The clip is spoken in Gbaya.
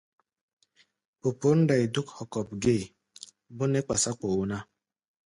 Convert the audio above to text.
Popǒr ndai dúk hokop gée, bó nɛ́ kpásá kpoo ná.